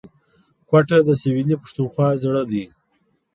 کوټه د سویلي پښتونخوا زړه دی